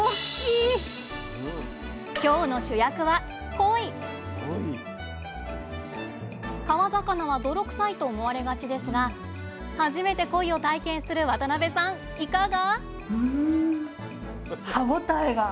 今日の主役は川魚は泥臭いと思われがちですが初めてコイを体験する渡辺さんいかが？